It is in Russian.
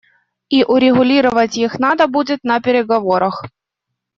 И урегулировать их надо будет на переговорах.